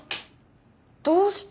どうした？